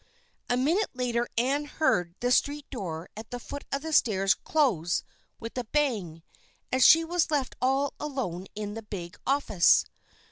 A minute later Ann heard the street door at the foot of the stairs close with a bang, and she was left all alone in the big office.